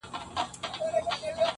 • چي د بل په زور اسمان ته پورته کیږي -